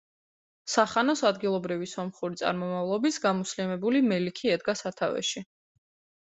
სახანოს ადგილობრივი სომხური წარმომავლობის გამუსლიმებული მელიქი ედგა სათავეში.